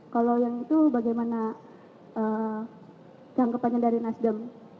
kalau yang itu bagaimana tanggapannya dari nasdem